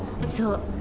そう。